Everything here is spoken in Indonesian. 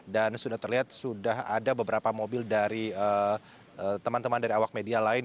dan sudah terlihat sudah ada beberapa mobil dari teman teman dari awak media lain